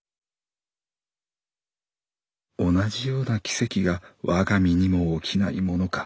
「同じような奇跡が我が身にも起きないものか。